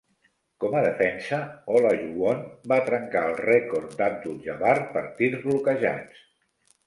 Com a defensa, Olajuwon va trencar el rècord d'Abdul-Jabbar per tirs bloquejats.